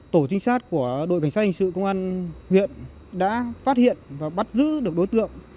tổ trinh sát của đội cảnh sát hình sự công an huyện đã phát hiện và bắt giữ được đối tượng